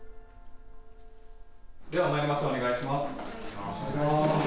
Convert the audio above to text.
ではまいりましょうお願いします。